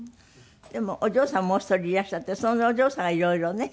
でもお嬢さんもう一人いらっしゃってそのお嬢さんが色々ね。